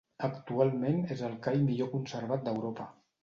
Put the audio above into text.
Actualment és el call millor conservat d'Europa.